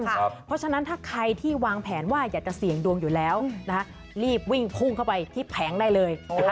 เพราะฉะนั้นถ้าใครที่วางแผนว่าอยากจะเสี่ยงดวงอยู่แล้วนะคะรีบวิ่งพุ่งเข้าไปที่แผงได้เลยนะคะ